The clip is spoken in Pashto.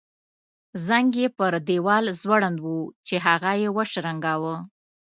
زنګ یې پر دیوال ځوړند وو چې هغه یې وشرنګاوه.